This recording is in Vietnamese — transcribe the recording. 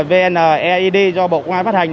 vned do bộ công an phát hành